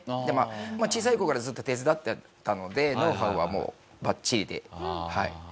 でまあ小さい頃からずっと手伝ってたのでノウハウはもうバッチリではい。